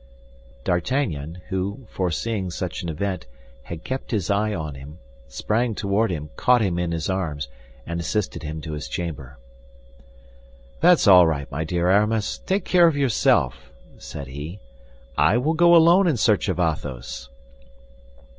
D'Artagnan, who, foreseeing such an event, had kept his eye on him, sprang toward him, caught him in his arms, and assisted him to his chamber. "That's all right, my dear Aramis, take care of yourself," said he; "I will go alone in search of Athos."